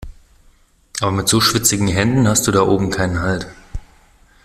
Aber mit so schwitzigen Händen hast du da oben keinen Halt.